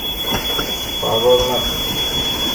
পাগল না কি?